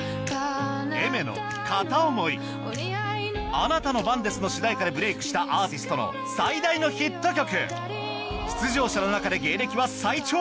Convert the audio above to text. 『あなたの番です』の主題歌でブレイクしたアーティストの最大のヒット曲出場者の中で芸歴は最長！